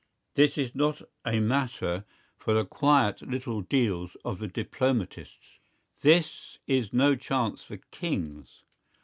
This is not a matter for the quiet little deals of the diplomatists. This is no chance for kings.